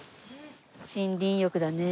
森林浴だね。